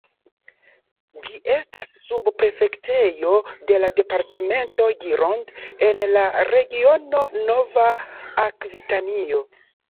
Ĝi estas subprefektejo de la departemento Gironde, en la regiono Nova Akvitanio.